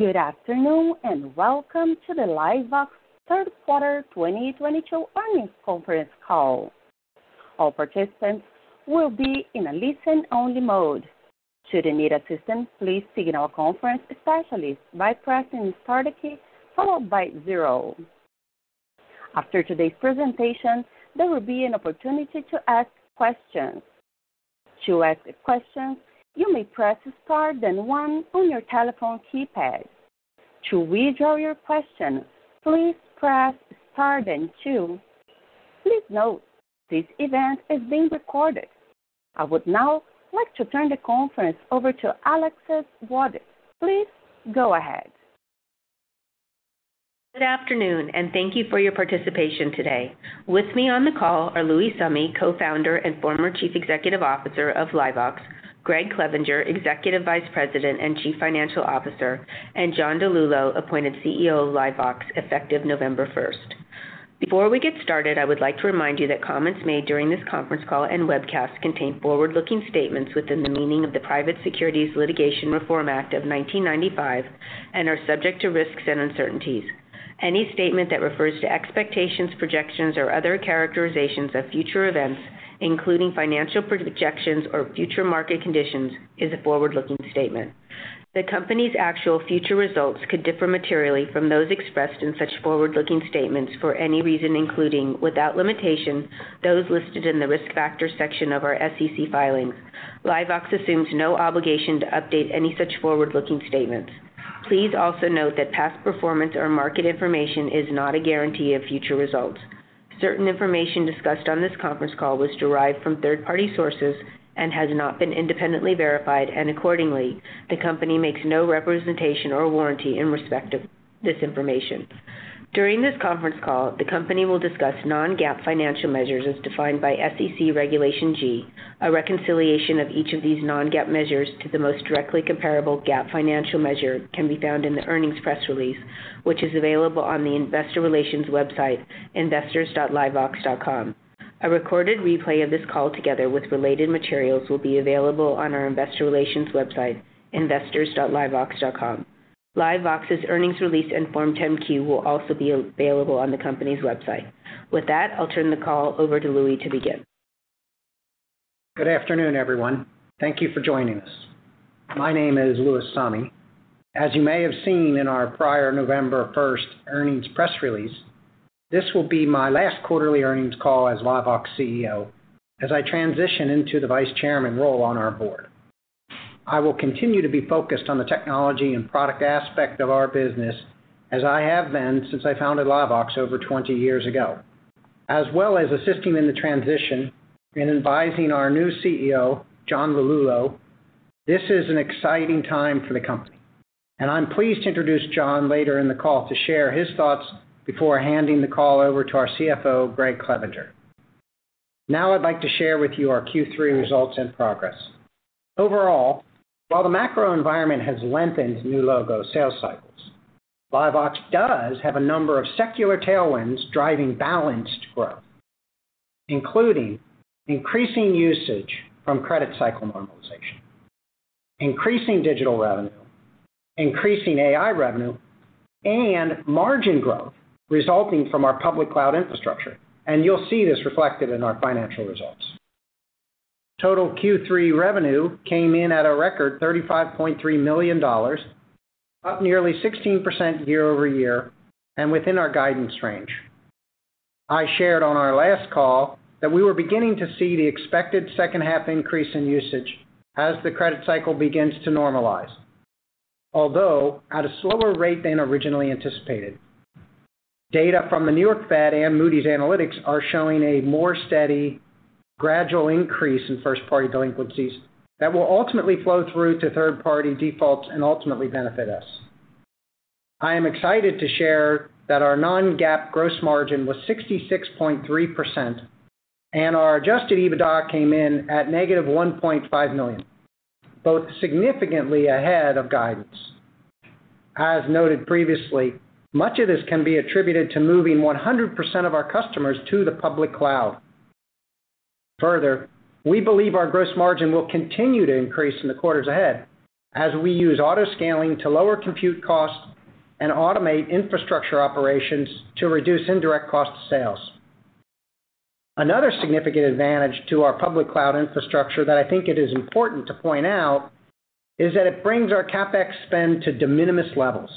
Good afternoon, and welcome to the LiveVox third quarter 2022 earnings conference call. All participants will be in a listen-only mode. Should you need assistance, please signal a conference specialist by pressing star key followed by zero. After today's presentation, there will be an opportunity to ask questions. To ask a question, you may press star then one on your telephone keypad. To withdraw your question, please press star then two. Please note this event is being recorded. I would now like to turn the conference over to Alexis Waadt. Please go ahead. Good afternoon, and thank you for your participation today. With me on the call are Louis Summe, Co-founder and former Chief Executive Officer of LiveVox, Gregg Clevenger, Executive Vice President and Chief Financial Officer, and John DiLullo, appointed CEO of LiveVox effective November first. Before we get started, I would like to remind you that comments made during this conference call and webcast contain forward-looking statements within the meaning of the Private Securities Litigation Reform Act of 1995 and are subject to risks and uncertainties. Any statement that refers to expectations, projections, or other characterizations of future events, including financial projections or future market conditions, is a forward-looking statement. The company's actual future results could differ materially from those expressed in such forward-looking statements for any reason, including, without limitation, those listed in the Risk Factors section of our SEC filings. LiveVox assumes no obligation to update any such forward-looking statements. Please also note that past performance or market information is not a guarantee of future results. Certain information discussed on this conference call was derived from third-party sources and has not been independently verified, and accordingly, the company makes no representation or warranty in respect of this information. During this conference call, the company will discuss non-GAAP financial measures as defined by SEC Regulation G. A reconciliation of each of these non-GAAP measures to the most directly comparable GAAP financial measure can be found in the earnings press release, which is available on the investor relations website, investors.livevox.com. A recorded replay of this call together with related materials will be available on our investor relations website, investors.livevox.com. LiveVox's earnings release and Form 10-Q will also be available on the company's website. With that, I'll turn the call over to Louis to begin. Good afternoon, everyone. Thank you for joining us. My name is Louis Summe. As you may have seen in our prior November first earnings press release, this will be my last quarterly earnings call as LiveVox CEO as I transition into the vice chairman role on our board. I will continue to be focused on the technology and product aspect of our business as I have been since I founded LiveVox over 20 years ago, as well as assisting in the transition and advising our new CEO, John DiLullo. This is an exciting time for the company, and I'm pleased to introduce John later in the call to share his thoughts before handing the call over to our CFO, Gregg Clevenger. Now I'd like to share with you our Q3 results and progress. Overall, while the macro environment has lengthened new logo sales cycles, LiveVox does have a number of secular tailwinds driving balanced growth, including increasing usage from credit cycle normalization, increasing digital revenue, increasing AI revenue, and margin growth resulting from our public cloud infrastructure. You'll see this reflected in our financial results. Total Q3 revenue came in at a record $35.3 million, up nearly 16% year-over-year and within our guidance range. I shared on our last call that we were beginning to see the expected second half increase in usage as the credit cycle begins to normalize, although at a slower rate than originally anticipated. Data from the New York Fed and Moody's Analytics are showing a more steady gradual increase in first party delinquencies that will ultimately flow through to third party defaults and ultimately benefit us. I am excited to share that our non-GAAP gross margin was 66.3% and our adjusted EBITDA came in at -$1.5 million, both significantly ahead of guidance. As noted previously, much of this can be attributed to moving 100% of our customers to the public cloud. Further, we believe our gross margin will continue to increase in the quarters ahead as we use auto-scaling to lower compute costs and automate infrastructure operations to reduce indirect cost sales. Another significant advantage to our public cloud infrastructure that I think it is important to point out is that it brings our CapEx spend to de minimis levels.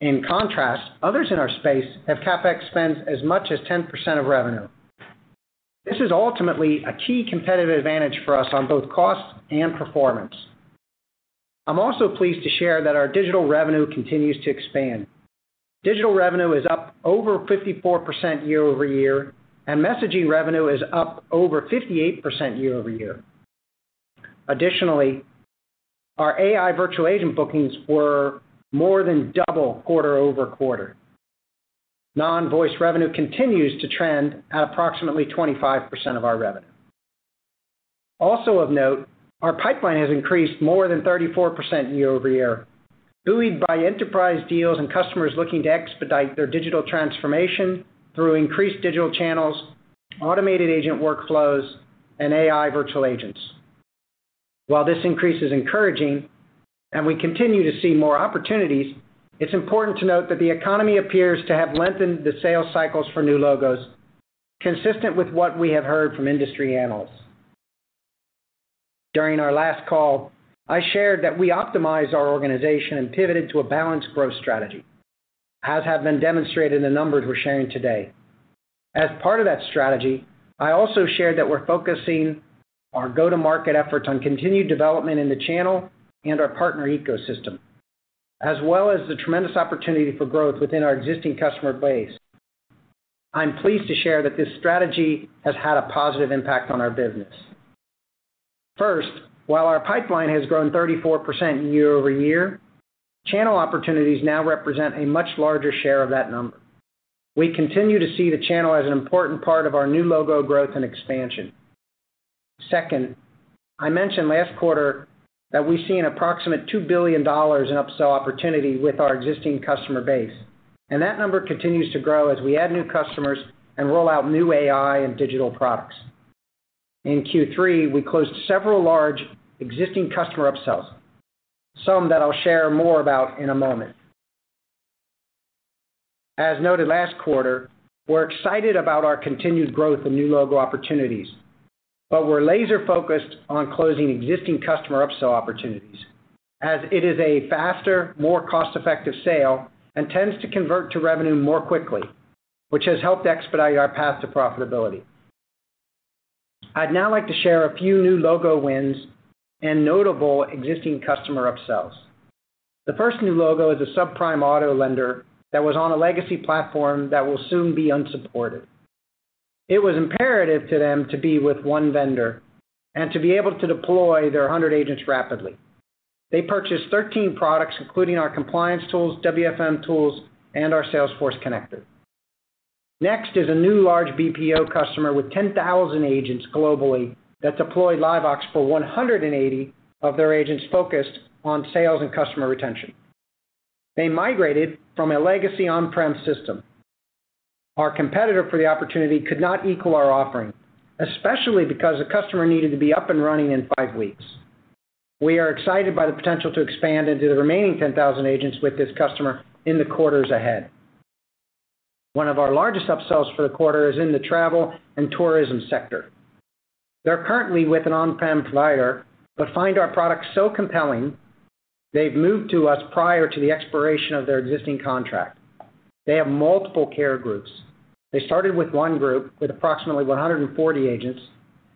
In contrast, others in our space have CapEx spends as much as 10% of revenue. This is ultimately a key competitive advantage for us on both cost and performance. I'm also pleased to share that our digital revenue continues to expand. Digital revenue is up over 54% year-over-year, and messaging revenue is up over 58% year-over-year. Additionally, our AI virtual agent bookings were more than double quarter-over-quarter. Non-voice revenue continues to trend at approximately 25% of our revenue. Also of note, our pipeline has increased more than 34% year-over-year, buoyed by enterprise deals and customers looking to expedite their digital transformation through increased digital channels, automated agent workflows, and AI virtual agents. While this increase is encouraging and we continue to see more opportunities, it's important to note that the economy appears to have lengthened the sales cycles for new logos, consistent with what we have heard from industry analysts. During our last call, I shared that we optimize our organization and pivoted to a balanced growth strategy, as have been demonstrated in the numbers we're sharing today. As part of that strategy, I also shared that we're focusing our go-to-market efforts on continued development in the channel and our partner ecosystem, as well as the tremendous opportunity for growth within our existing customer base. I'm pleased to share that this strategy has had a positive impact on our business. First, while our pipeline has grown 34% year-over-year, channel opportunities now represent a much larger share of that number. We continue to see the channel as an important part of our new logo growth and expansion. Second, I mentioned last quarter that we see an approximate $2 billion in upsell opportunity with our existing customer base, and that number continues to grow as we add new customers and roll out new AI and digital products. In Q3, we closed several large existing customer upsells, some that I'll share more about in a moment. As noted last quarter, we're excited about our continued growth in new logo opportunities, but we're laser-focused on closing existing customer upsell opportunities as it is a faster, more cost-effective sale and tends to convert to revenue more quickly, which has helped expedite our path to profitability. I'd now like to share a few new logo wins and notable existing customer upsells. The first new logo is a subprime auto lender that was on a legacy platform that will soon be unsupported. It was imperative to them to be with one vendor and to be able to deploy their 100 agents rapidly. They purchased 13 products, including our compliance tools, WFM tools, and our Salesforce connector. Next is a new large BPO customer with 10,000 agents globally that deploy LiveVox for 180 of their agents focused on sales and customer retention. They migrated from a legacy on-prem system. Our competitor for the opportunity could not equal our offering, especially because the customer needed to be up and running in 5 weeks. We are excited by the potential to expand into the remaining 10,000 agents with this customer in the quarters ahead. One of our largest upsells for the quarter is in the travel and tourism sector. They're currently with an on-prem provider, but find our product so compelling, they've moved to us prior to the expiration of their existing contract. They have multiple care groups. They started with one group with approximately 140 agents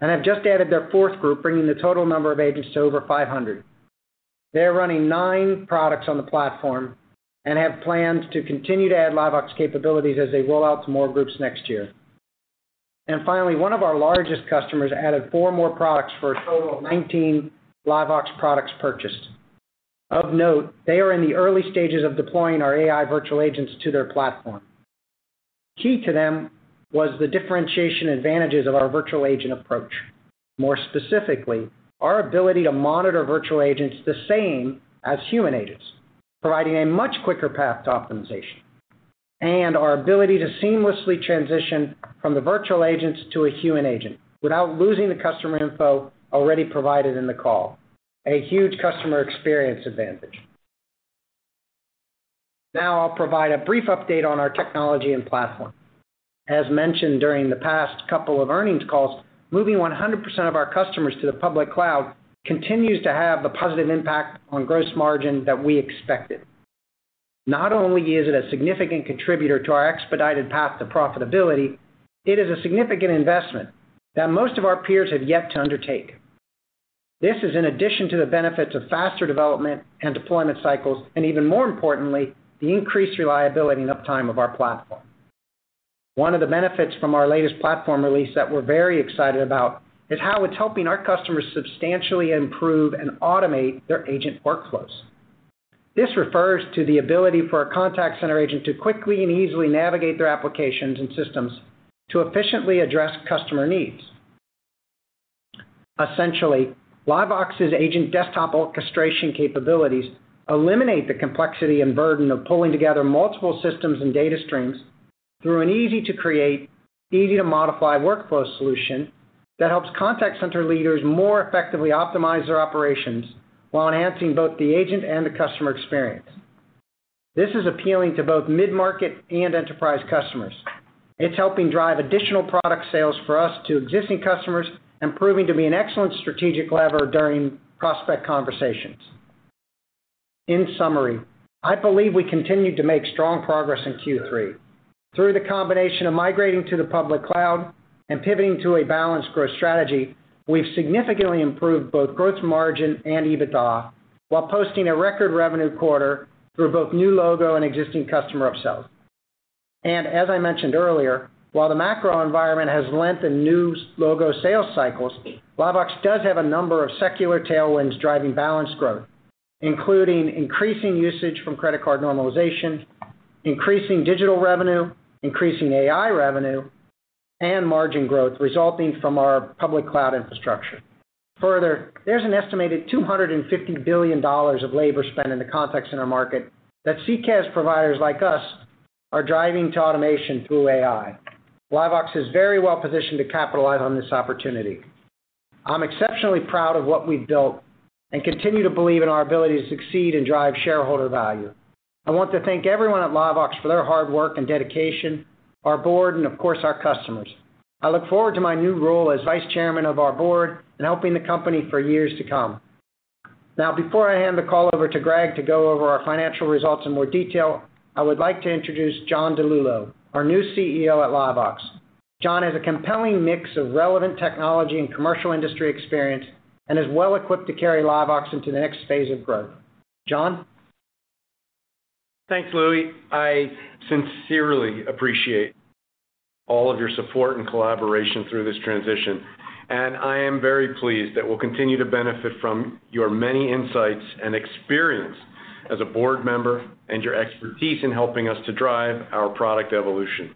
and have just added their fourth group, bringing the total number of agents to over 500. They are running nine products on the platform and have plans to continue to add LiveVox capabilities as they roll out to more groups next year. Finally, one of our largest customers added four more products for a total of 19 LiveVox products purchased. Of note, they are in the early stages of deploying our AI virtual agents to their platform. Key to them was the differentiation advantages of our virtual agent approach. More specifically, our ability to monitor virtual agents the same as human agents, providing a much quicker path to optimization and our ability to seamlessly transition from the virtual agents to a human agent without losing the customer info already provided in the call, a huge customer experience advantage. Now I'll provide a brief update on our technology and platform. As mentioned during the past couple of earnings calls, moving 100% of our customers to the public cloud continues to have the positive impact on gross margin that we expected. Not only is it a significant contributor to our expedited path to profitability, it is a significant investment that most of our peers have yet to undertake. This is in addition to the benefits of faster development and deployment cycles, and even more importantly, the increased reliability and uptime of our platform. One of the benefits from our latest platform release that we're very excited about is how it's helping our customers substantially improve and automate their agent workflows. This refers to the ability for a contact center agent to quickly and easily navigate their applications and systems to efficiently address customer needs. Essentially, LiveVox's agent desktop orchestration capabilities eliminate the complexity and burden of pulling together multiple systems and data streams through an easy-to-create, easy-to-modify workflow solution that helps contact center leaders more effectively optimize their operations while enhancing both the agent and the customer experience. This is appealing to both mid-market and enterprise customers. It's helping drive additional product sales for us to existing customers and proving to be an excellent strategic lever during prospect conversations. In summary, I believe we continued to make strong progress in Q3. Through the combination of migrating to the public cloud and pivoting to a balanced growth strategy, we've significantly improved both gross margin and EBITDA while posting a record revenue quarter through both new logo and existing customer upsells. As I mentioned earlier, while the macro environment has lengthened new logo sales cycles, LiveVox does have a number of secular tailwinds driving balanced growth, including increasing usage from credit card normalization, increasing digital revenue, increasing AI revenue, and margin growth resulting from our public cloud infrastructure. Further, there's an estimated $250 billion of labor spend in the contact center market that CCaaS providers like us are driving to automation through AI. LiveVox is very well positioned to capitalize on this opportunity. I'm exceptionally proud of what we've built and continue to believe in our ability to succeed and drive shareholder value. I want to thank everyone at LiveVox for their hard work and dedication, our board, and of course, our customers. I look forward to my new role as vice chairman of our board and helping the company for years to come. Now, before I hand the call over to Gregg to go over our financial results in more detail, I would like to introduce John DiLullo, our new CEO at LiveVox. John has a compelling mix of relevant technology and commercial industry experience and is well equipped to carry LiveVox into the next phase of growth. John? Thanks, Louis. I sincerely appreciate all of your support and collaboration through this transition, and I am very pleased that we'll continue to benefit from your many insights and experience as a board member and your expertise in helping us to drive our product evolution.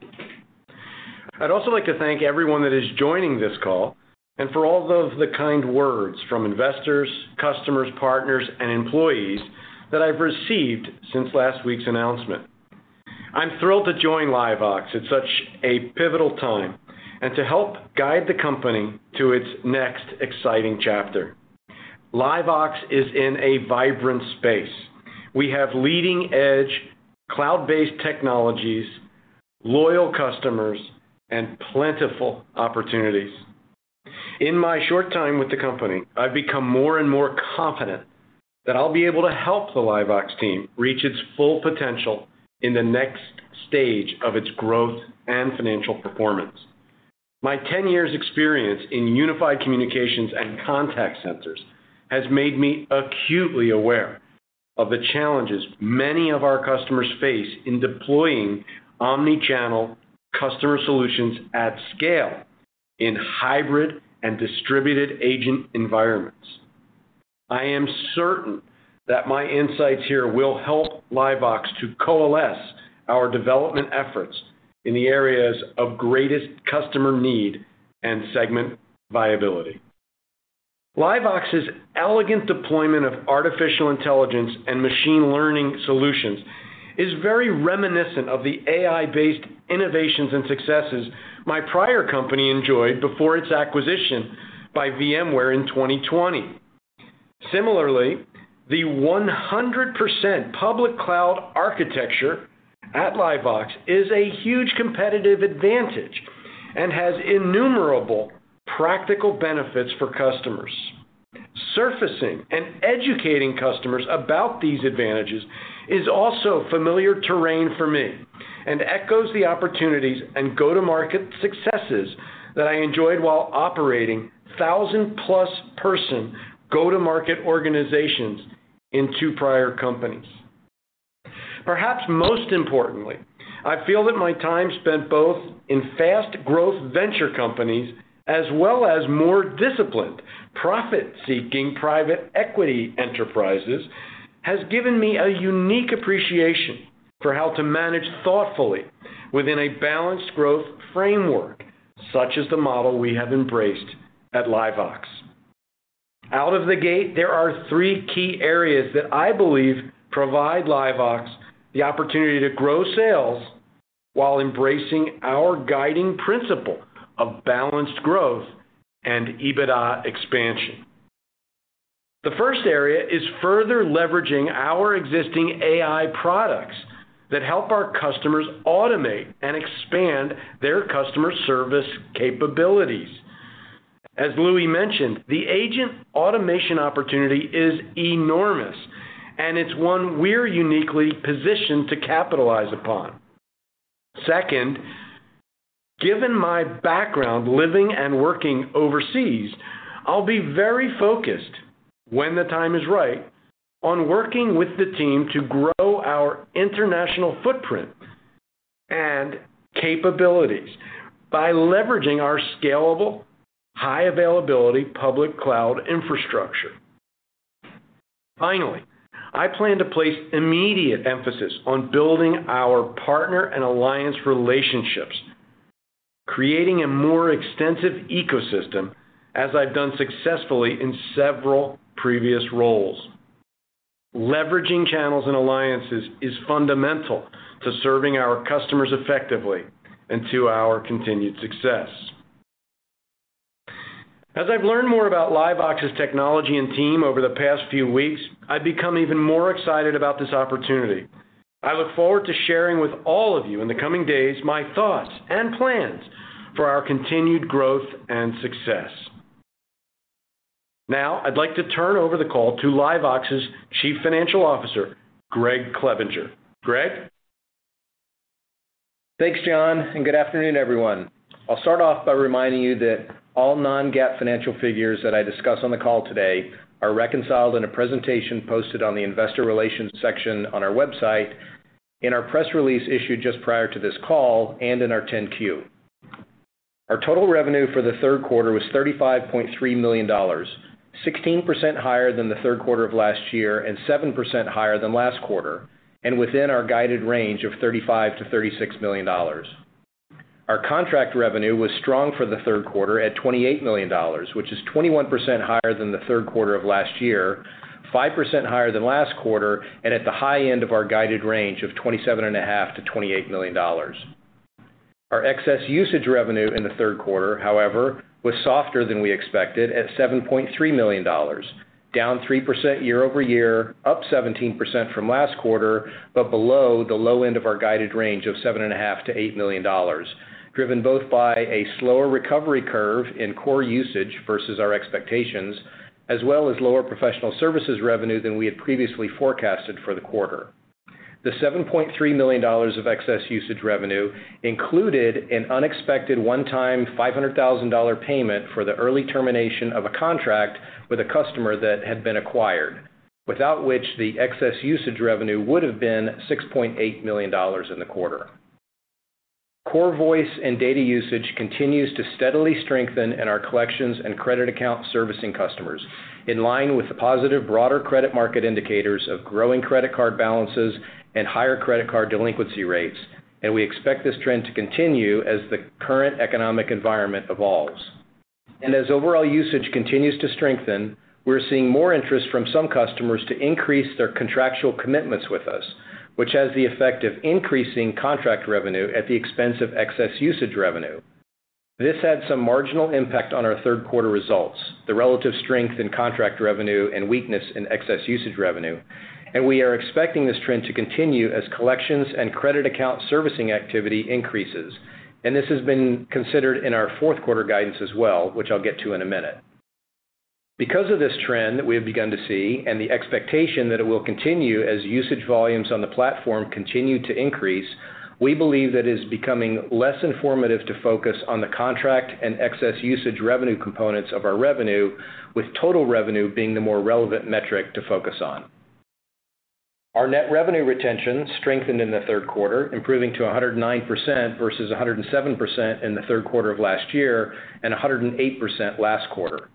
I'd also like to thank everyone that is joining this call and for all of the kind words from investors, customers, partners, and employees that I've received since last week's announcement. I'm thrilled to join LiveVox at such a pivotal time and to help guide the company to its next exciting chapter. LiveVox is in a vibrant space. We have leading-edge cloud-based technologies, loyal customers, and plentiful opportunities. In my short time with the company, I've become more and more confident that I'll be able to help the LiveVox team reach its full potential in the next stage of its growth and financial performance. My 10 years experience in unified communications and contact centers has made me acutely aware of the challenges many of our customers face in deploying omni-channel customer solutions at scale in hybrid and distributed agent environments. I am certain that my insights here will help LiveVox to coalesce our development efforts in the areas of greatest customer need and segment viability. LiveVox's elegant deployment of artificial intelligence and machine learning solutions is very reminiscent of the AI-based innovations and successes my prior company enjoyed before its acquisition by VMware in 2020. Similarly, the 100% public cloud architecture at LiveVox is a huge competitive advantage and has innumerable practical benefits for customers. Surfacing and educating customers about these advantages is also familiar terrain for me and echoes the opportunities and go-to-market successes that I enjoyed while operating 1,000-plus person go-to-market organizations in two prior companies. Perhaps most importantly, I feel that my time spent both in fast growth venture companies as well as more disciplined profit-seeking private equity enterprises has given me a unique appreciation for how to manage thoughtfully within a balanced growth framework, such as the model we have embraced at LiveVox. Out of the gate, there are three key areas that I believe provide LiveVox the opportunity to grow sales while embracing our guiding principle of balanced growth and EBITDA expansion. The first area is further leveraging our existing AI products that help our customers automate and expand their customer service capabilities. As Louis mentioned, the agent automation opportunity is enormous, and it's one we're uniquely positioned to capitalize upon. Second, given my background living and working overseas, I'll be very focused when the time is right on working with the team to grow our international footprint and capabilities by leveraging our scalable, high availability public cloud infrastructure. Finally, I plan to place immediate emphasis on building our partner and alliance relationships, creating a more extensive ecosystem, as I've done successfully in several previous roles. Leveraging channels and alliances is fundamental to serving our customers effectively and to our continued success. As I've learned more about LiveVox's technology and team over the past few weeks, I've become even more excited about this opportunity. I look forward to sharing with all of you in the coming days my thoughts and plans for our continued growth and success. Now, I'd like to turn over the call to LiveVox's Chief Financial Officer, Gregg Clevenger. Greg? Thanks, John, and good afternoon, everyone. I'll start off by reminding you that all non-GAAP financial figures that I discuss on the call today are reconciled in a presentation posted on the investor relations section on our website in our press release issued just prior to this call and in our 10-Q. Our total revenue for the third quarter was $35.3 million, 16% higher than the third quarter of last year and 7% higher than last quarter, and within our guided range of $35-$36 million. Our contract revenue was strong for the third quarter at $28 million, which is 21% higher than the third quarter of last year, 5% higher than last quarter, and at the high end of our guided range of $27.5-$28 million. Our excess usage revenue in the third quarter, however, was softer than we expected at $7.3 million, down 3% year-over-year, up 17% from last quarter, but below the low end of our guided range of $7.5-$8 million, driven both by a slower recovery curve in core usage versus our expectations, as well as lower professional services revenue than we had previously forecasted for the quarter. The $7.3 million of excess usage revenue included an unexpected one-time $500,000 payment for the early termination of a contract with a customer that had been acquired, without which the excess usage revenue would have been $6.8 million in the quarter. Core voice and data usage continues to steadily strengthen in our collections and credit account servicing customers, in line with the positive broader credit market indicators of growing credit card balances and higher credit card delinquency rates. We expect this trend to continue as the current economic environment evolves. As overall usage continues to strengthen, we're seeing more interest from some customers to increase their contractual commitments with us, which has the effect of increasing contract revenue at the expense of excess usage revenue. This had some marginal impact on our third quarter results, the relative strength in contract revenue and weakness in excess usage revenue. We are expecting this trend to continue as collections and credit account servicing activity increases. This has been considered in our fourth quarter guidance as well, which I'll get to in a minute. Because of this trend that we have begun to see and the expectation that it will continue as usage volumes on the platform continue to increase, we believe that it is becoming less informative to focus on the contract and excess usage revenue components of our revenue, with total revenue being the more relevant metric to focus on. Our net revenue retention strengthened in the third quarter, improving to 109% versus 107% in the third quarter of last year and 108% last quarter.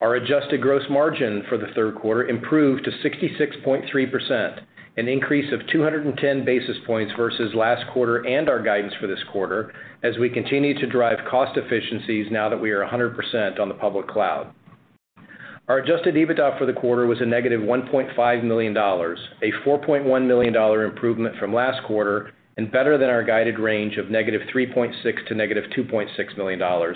Our adjusted gross margin for the third quarter improved to 66.3%, an increase of 210 basis points versus last quarter and our guidance for this quarter as we continue to drive cost efficiencies now that we are 100% on the public cloud. Our adjusted EBITDA for the quarter was -$1.5 million, a $4.1 million improvement from last quarter and better than our guided range of -$3.6 million to -$2.6 million,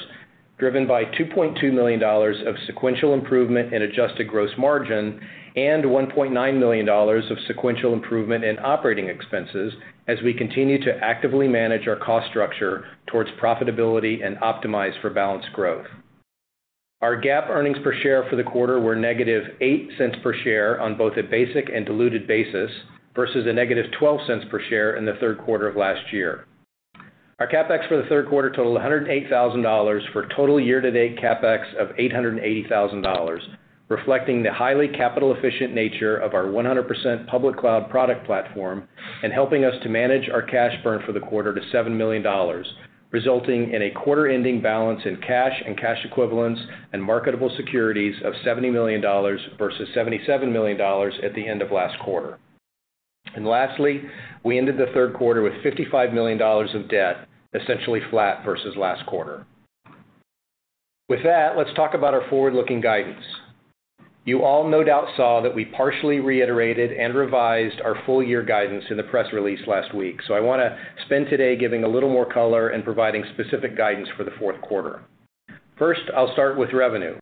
driven by $2.2 million of sequential improvement in adjusted gross margin and $1.9 million of sequential improvement in operating expenses as we continue to actively manage our cost structure towards profitability and optimize for balanced growth. Our GAAP earnings per share for the quarter were -$0.08 per share on both a basic and diluted basis versus -$0.12 per share in the third quarter of last year. Our CapEx for the third quarter totaled $108,000 for total year-to-date CapEx of $880,000, reflecting the highly capital-efficient nature of our 100% public cloud product platform and helping us to manage our cash burn for the quarter to $7 million, resulting in a quarter-ending balance in cash and cash equivalents and marketable securities of $70 million versus $77 million at the end of last quarter. Lastly, we ended the third quarter with $55 million of debt, essentially flat versus last quarter. With that, let's talk about our forward-looking guidance. You all no doubt saw that we partially reiterated and revised our full year guidance in the press release last week. I want to spend today giving a little more color and providing specific guidance for the fourth quarter. First, I'll start with revenue.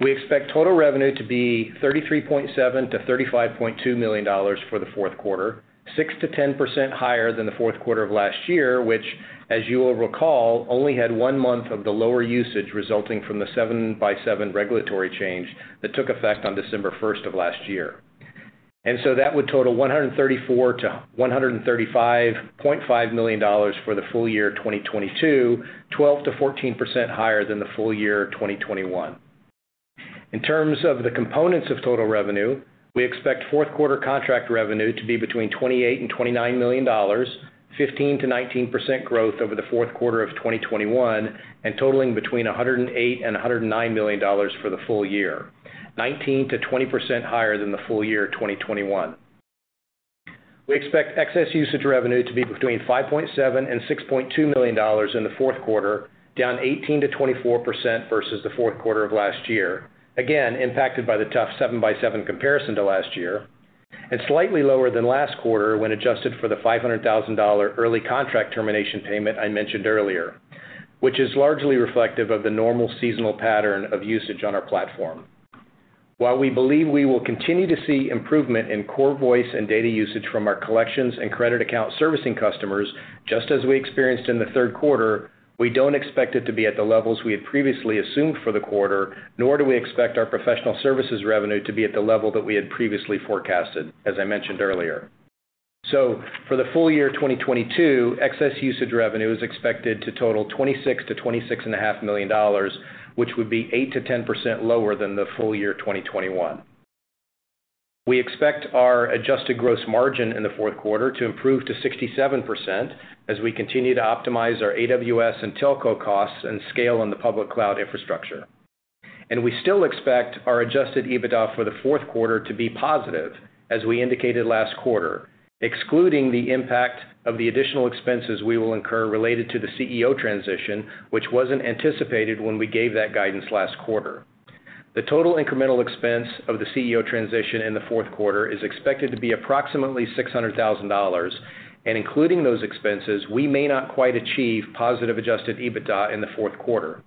We expect total revenue to be $33.7 million-$35.2 million for the fourth quarter, 6%-10% higher than the fourth quarter of last year, which, as you will recall, only had one month of the lower usage resulting from the 7-by-7 regulatory change that took effect on December first of last year. That would total $134 million-$135.5 million for the full year 2022, 12%-14% higher than the full year 2021. In terms of the components of total revenue, we expect fourth quarter contract revenue to be between $28 million and $29 million, 15%-19% growth over the fourth quarter of 2021 and totaling between $108 million and $109 million for the full year, 19%-20% higher than the full year 2021. We expect excess usage revenue to be between $5.7 million and $6.2 million in the fourth quarter, down 18%-24% versus the fourth quarter of last year, again impacted by the tough seven-by-seven comparison to last year and slightly lower than last quarter when adjusted for the $500,000 early contract termination payment I mentioned earlier, which is largely reflective of the normal seasonal pattern of usage on our platform. While we believe we will continue to see improvement in core voice and data usage from our collections and credit account servicing customers, just as we experienced in the third quarter, we don't expect it to be at the levels we had previously assumed for the quarter, nor do we expect our professional services revenue to be at the level that we had previously forecasted, as I mentioned earlier. For the full year 2022, excess usage revenue is expected to total $26 million-$26.5 million, which would be 8%-10% lower than the full year 2021. We expect our adjusted gross margin in the fourth quarter to improve to 67% as we continue to optimize our AWS and telco costs and scale on the public cloud infrastructure. We still expect our adjusted EBITDA for the fourth quarter to be positive, as we indicated last quarter, excluding the impact of the additional expenses we will incur related to the CEO transition, which wasn't anticipated when we gave that guidance last quarter. The total incremental expense of the CEO transition in the fourth quarter is expected to be approximately $600,000. Including those expenses, we may not quite achieve positive adjusted EBITDA in the fourth quarter.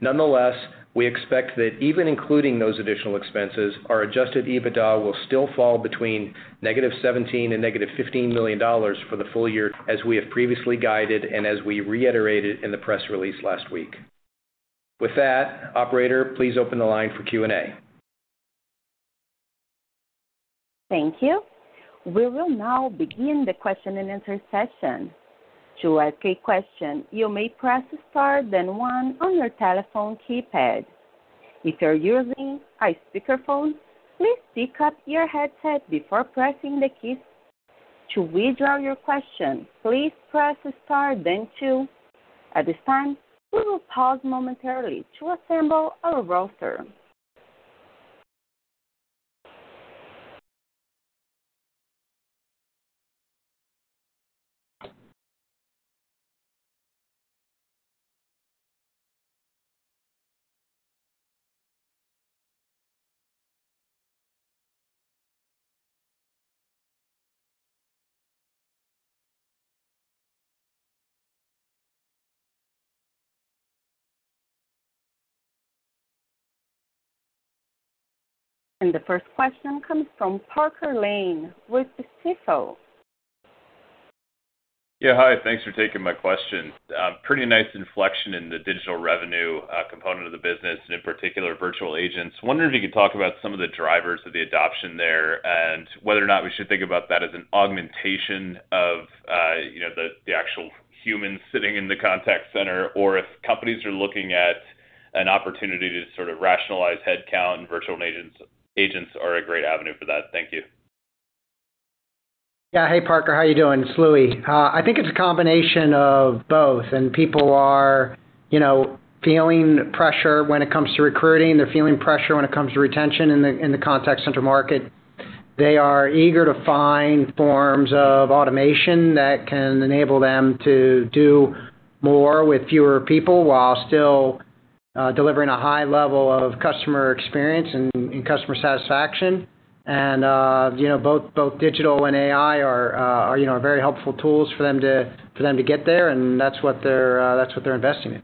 Nonetheless, we expect that even including those additional expenses, our adjusted EBITDA will still fall between -$17 million and -$15 million for the full year, as we have previously guided and as we reiterated in the press release last week. With that, operator, please open the line for Q&A. Thank you. We will now begin the question-and-answer session. To ask a question, you may press star then one on your telephone keypad. If you're using a speakerphone, please pick up your headset before pressing the keys. To withdraw your question, please press star then two. At this time, we will pause momentarily to assemble our roster. The first question comes from Parker Lane with Stifel. Yeah, hi. Thanks for taking my question. Pretty nice inflection in the digital revenue component of the business, and in particular, virtual agents. Wondering if you could talk about some of the drivers of the adoption there and whether or not we should think about that as an augmentation of, you know, the actual humans sitting in the contact center or if companies are looking at an opportunity to sort of rationalize headcount, virtual agents are a great avenue for that. Thank you. Yeah. Hey, Parker, how are you doing? It's Louis. I think it's a combination of both, and people are, you know, feeling pressure when it comes to recruiting. They're feeling pressure when it comes to retention in the contact center market. They are eager to find forms of automation that can enable them to do more with fewer people while still delivering a high level of customer experience and customer satisfaction. You know, both digital and AI are very helpful tools for them to get there, and that's what they're investing in.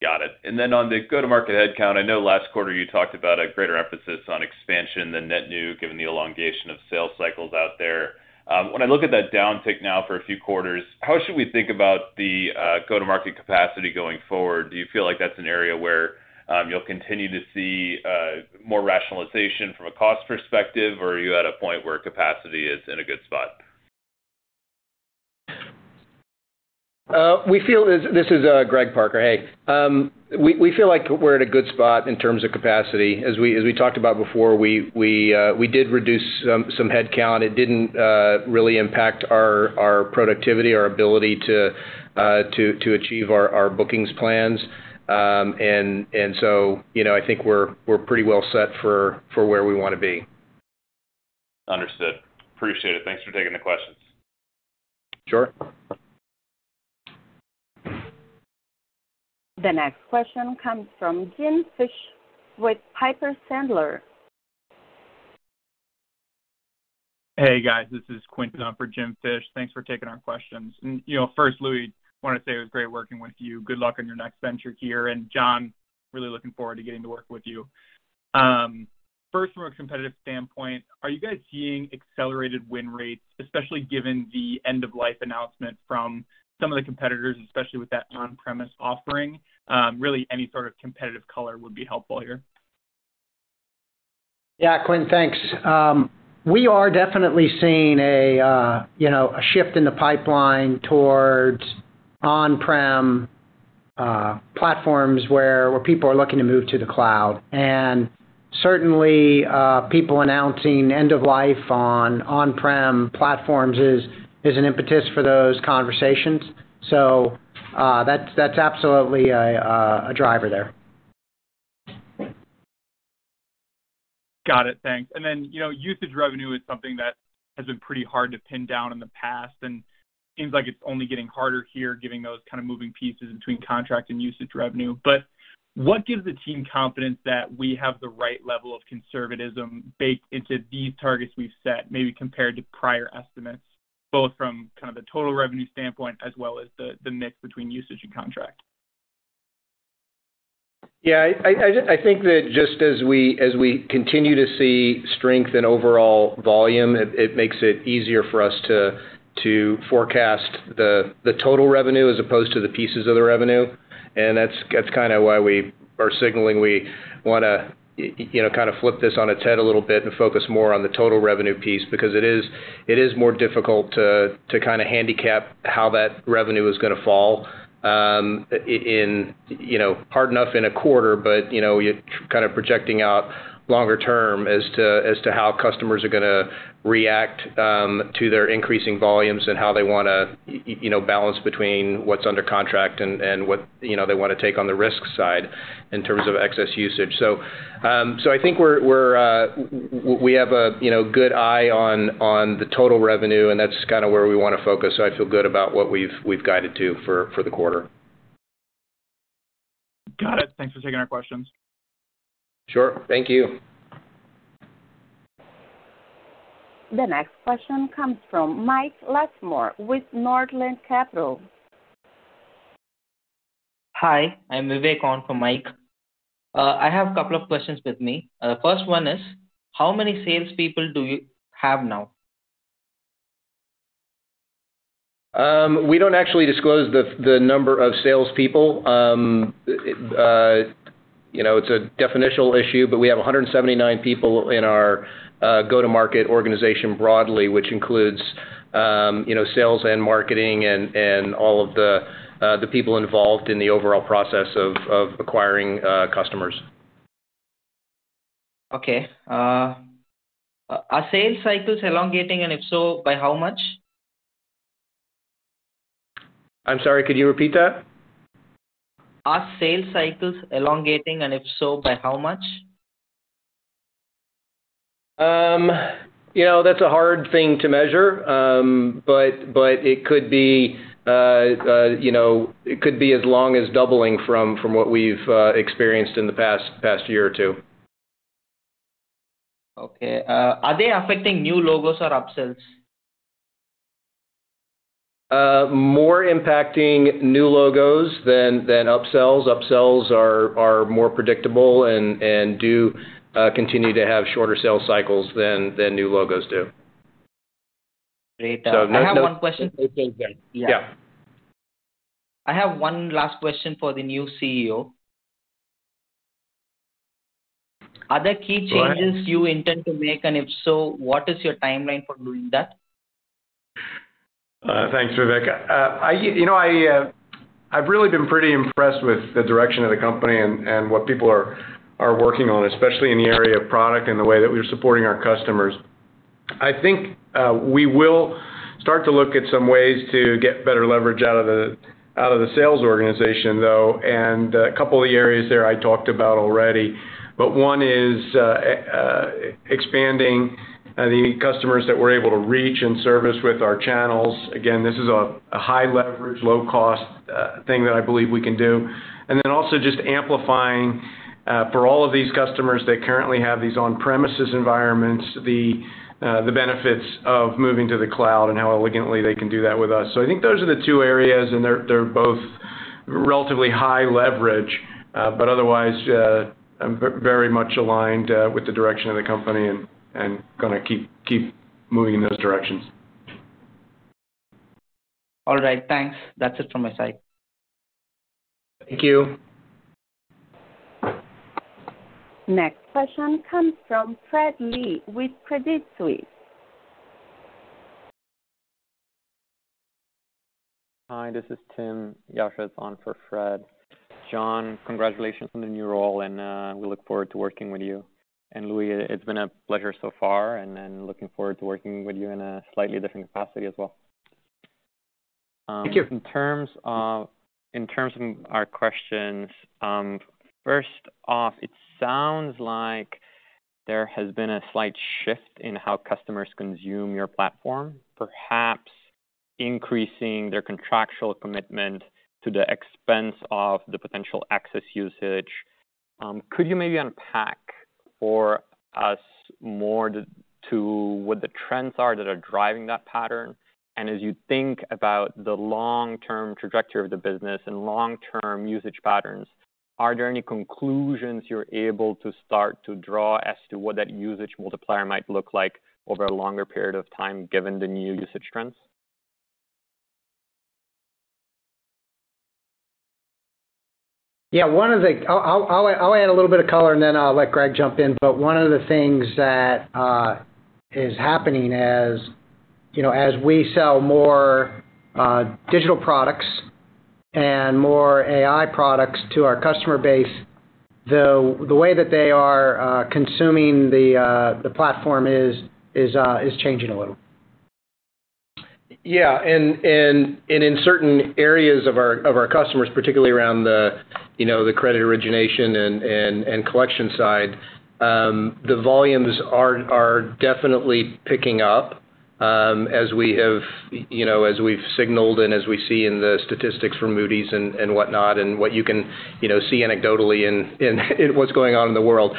Got it. On the go-to-market headcount, I know last quarter you talked about a greater emphasis on expansion than net new given the elongation of sales cycles out there. When I look at that downtick now for a few quarters, how should we think about the go-to-market capacity going forward? Do you feel like that's an area where you'll continue to see more rationalization from a cost perspective, or are you at a point where capacity is in a good spot? This is Gregg, Parker. Hey. We feel like we're at a good spot in terms of capacity. As we talked about before, we did reduce some headcount. It didn't really impact our productivity, our ability to achieve our bookings plans. You know, I think we're pretty well set for where we wanna be. Understood. Appreciate it. Thanks for taking the questions. Sure. The next question comes from Jim Fish with Piper Sandler. Hey, guys. This is Quinton up for Jim Fish. Thanks for taking our questions. You know, first, Louis, wanna say it was great working with you. Good luck on your next venture here. John, really looking forward to getting to work with you. First from a competitive standpoint, are you guys seeing accelerated win rates, especially given the end-of-life announcement from some of the competitors, especially with that on-premise offering? Really any sort of competitive color would be helpful here. Yeah, Quinton, thanks. We are definitely seeing a shift in the pipeline towards on-prem platforms where people are looking to move to the cloud. Certainly, people announcing end of life on on-prem platforms is an impetus for those conversations. That's absolutely a driver there. Got it. Thanks. You know, usage revenue is something that has been pretty hard to pin down in the past, and seems like it's only getting harder here given those kind of moving pieces between contract and usage revenue. What gives the team confidence that we have the right level of conservatism baked into these targets we've set, maybe compared to prior estimates, both from kind of the total revenue standpoint as well as the mix between usage and contract? Yeah. I think that just as we continue to see strength in overall volume, it makes it easier for us to forecast the total revenue as opposed to the pieces of the revenue, and that's kinda why we are signaling we wanna, you know, kinda flip this on its head a little bit and focus more on the total revenue piece because it is more difficult to kinda handicap how that revenue is gonna fall, in, you know, hard enough in a quarter but, you know, you're kind of projecting out longer term as to as to how customers are gonna react to their increasing volumes and how they wanna, you know, balance between what's under contract and what, you know, they wanna take on the risk side in terms of excess usage. I think we have a, you know, good eye on the total revenue, and that's kinda where we wanna focus. I feel good about what we've guided to for the quarter. Got it. Thanks for taking our questions. Sure. Thank you. The next question comes from Mike Latimore with Northland Capital Markets. Hi, I'm Vivek on for Mike. I have a couple of questions with me. The first one is, how many salespeople do you have now? We don't actually disclose the number of salespeople. You know, it's a definitional issue, but we have 179 people in our go-to-market organization broadly, which includes, you know, sales and marketing and all of the people involved in the overall process of acquiring customers. Okay. Are sales cycles elongating, and if so, by how much? I'm sorry, could you repeat that? Are sales cycles elongating, and if so, by how much? You know, that's a hard thing to measure, but it could be, you know, it could be as long as doubling from what we've experienced in the past year or two. Okay. Are they affecting new logos or upsells? More impacting new logos than upsells. Upsells are more predictable and do continue to have shorter sales cycles than new logos do. Great. So no- I have one question. Yeah. I have one last question for the new CEO. Go ahead. Are there key changes you intend to make, and if so, what is your timeline for doing that? Thanks, Vivek. You know, I've really been pretty impressed with the direction of the company and what people are working on, especially in the area of product and the way that we're supporting our customers. I think we will start to look at some ways to get better leverage out of the sales organization, though, and a couple of the areas there I talked about already. One is expanding the customers that we're able to reach and service with our channels. Again, this is a high leverage, low cost thing that I believe we can do. Also just amplifying for all of these customers that currently have these on-premises environments, the benefits of moving to the cloud and how elegantly they can do that with us. I think those are the two areas, and they're both relatively high leverage. Otherwise, I'm very much aligned with the direction of the company and gonna keep moving in those directions. All right. Thanks. That's it from my side. Thank you. Next question comes from Fred Lee with Credit Suisse. Hi, this is Tim. Yasha is on for Fred. John, congratulations on the new role, and we look forward to working with you. Louis, it's been a pleasure so far, and then looking forward to working with you in a slightly different capacity as well. Thank you. In terms of our questions, first off, it sounds like there has been a slight shift in how customers consume your platform, perhaps increasing their contractual commitment at the expense of the potential access usage. Could you maybe unpack for us more as to what the trends are that are driving that pattern? As you think about the long-term trajectory of the business and long-term usage patterns, are there any conclusions you're able to start to draw as to what that usage multiplier might look like over a longer period of time, given the new usage trends? Yeah. I'll add a little bit of color and then I'll let Greg jump in. One of the things that is happening as you know as we sell more digital products and more AI products to our customer base, the way that they are consuming the platform is changing a little. Yeah. In certain areas of our customers, particularly around, you know, the credit origination and collection side, the volumes are definitely picking up, as, you know, we've signaled and as we see in the statistics from Moody's and whatnot, and what you can, you know, see anecdotally in what's going on in the world.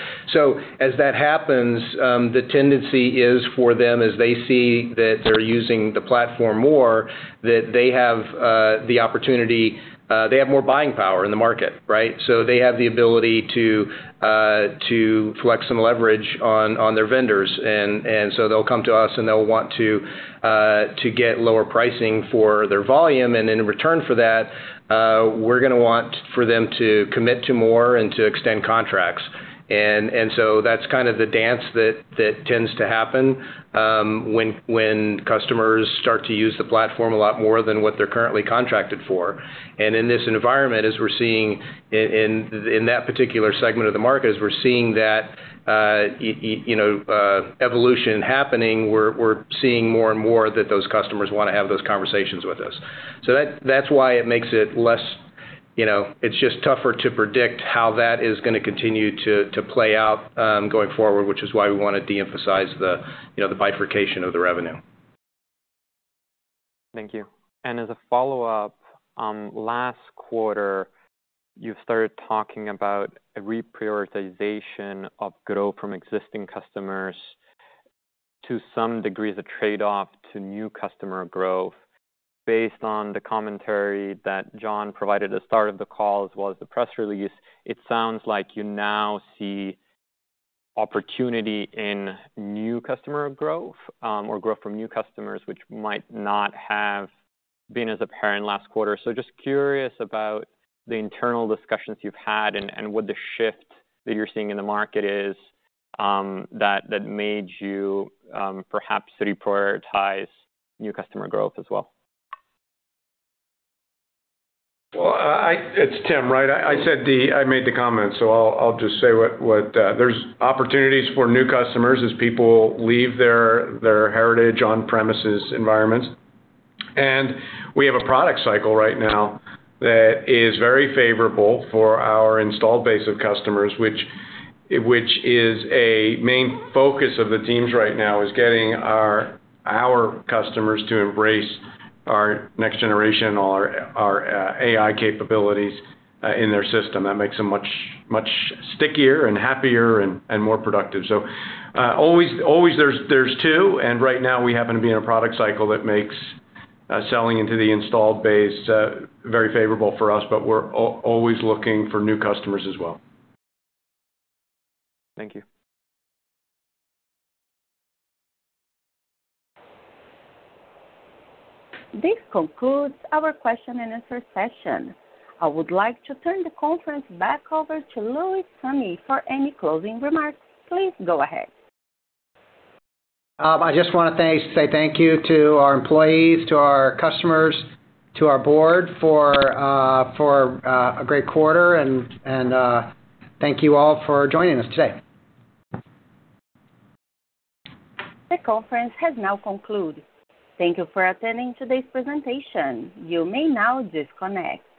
As that happens, the tendency is for them, as they see that they're using the platform more, that they have the opportunity, they have more buying power in the market, right? They have the ability to flex some leverage on their vendors. They'll come to us, and they'll want to get lower pricing for their volume. In return for that, we're gonna want for them to commit to more and to extend contracts. That's kind of the dance that tends to happen when customers start to use the platform a lot more than what they're currently contracted for. In this environment, as we're seeing in that particular segment of the market, as we're seeing that you know evolution happening, we're seeing more and more that those customers wanna have those conversations with us. That's why it makes it less, you know, it's just tougher to predict how that is gonna continue to play out going forward, which is why we wanna de-emphasize the, you know, the bifurcation of the revenue. Thank you. As a follow-up, last quarter you started talking about a reprioritization of growth from existing customers to some degree the trade-off to new customer growth. Based on the commentary that John provided at the start of the call as well as the press release, it sounds like you now see opportunity in new customer growth, or growth from new customers, which might not have been as apparent last quarter. Just curious about the internal discussions you've had and what the shift that you're seeing in the market is, that made you perhaps reprioritize new customer growth as well. Well, it's Tim, right? I made the comment, so I'll just say what there are opportunities for new customers as people leave their heritage on-premises environments. We have a product cycle right now that is very favorable for our installed base of customers, which is a main focus of the teams right now, is getting our customers to embrace our next generation or our AI capabilities in their system. That makes them much stickier and happier and more productive. Always there's two, and right now we happen to be in a product cycle that makes selling into the installed base very favorable for us, but we're always looking for new customers as well. Thank you. This concludes our question and answer session. I would like to turn the conference back over to Louis Summe for any closing remarks. Please go ahead. I just wanna say thank you to our employees, to our customers, to our board for a great quarter, and thank you all for joining us today. The conference has now concluded. Thank you for attending today's presentation. You may now disconnect.